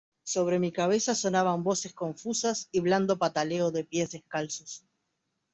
sobre mi cabeza sonaban voces confusas y blando pataleo de pies descalzos